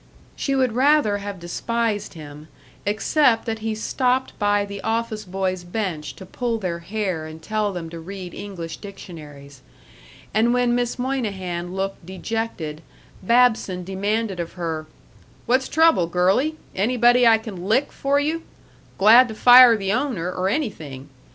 She would rather have despised him, except that he stopped by the office boys' bench to pull their hair and tell them to read English dictionaries. And when Miss Moynihan looked dejected, Babson demanded of her, "What's trouble, girlie? Anybody I can lick for you? Glad to fire the owner, or anything.